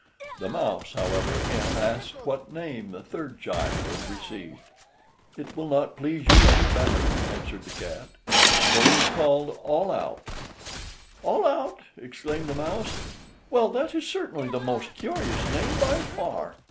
The mouse, however, again asked what name the third child had received. "It will not please you any better," answered the cat, "for he is called All out." "All out!" exclaimed the mouse; "well, that is certainly the most curious name by far.